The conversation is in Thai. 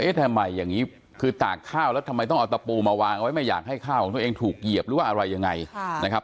ทำไมอย่างนี้คือตากข้าวแล้วทำไมต้องเอาตะปูมาวางไว้ไม่อยากให้ข้าวของตัวเองถูกเหยียบหรือว่าอะไรยังไงนะครับ